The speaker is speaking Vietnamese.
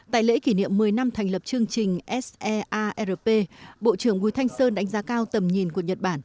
tại lễ kỷ niệm một mươi năm thành lập chương trình searp bộ trưởng bùi thanh sơn đánh giá cao tầm nhìn của nhật bản